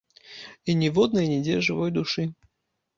І ніводнай нідзе жывой душы.